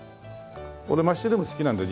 俺マッシュルーム好きなんだよ